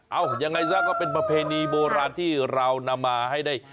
ยังไงซะก็เป็นประเพณีโบราณที่เรานำมาให้ได้